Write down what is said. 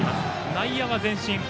内野は前進。